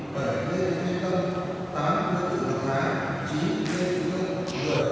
ký nhiều văn bản